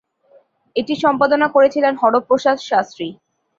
এটি সম্পাদনা করেছিলেন হরপ্রসাদ শাস্ত্রী।